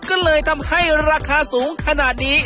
ก็เลยทำให้ราคาสูงขนาดนี้